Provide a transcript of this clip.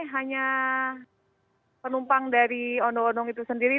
hanya penumpang dari odong odong itu sendiri